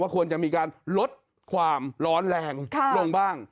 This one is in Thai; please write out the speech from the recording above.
ควรจะมีการลดความร้อนแรงลงบ้าง